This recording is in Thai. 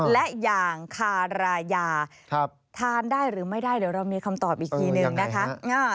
และอย่างคารายาทานได้หรือไม่ได้เดี๋ยวเรามีคำตอบอีกทีนึงนะคะ